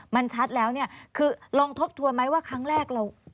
มันชัดแล้วเนี่ยคือลองทบทวนไหมว่าครั้งแรกเรา